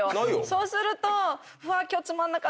そうすると。